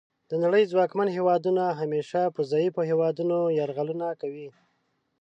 د نړۍ ځواکمن هیوادونه همیشه په ضعیفو هیوادونو یرغلونه کوي